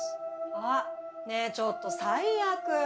あっねえちょっと最悪！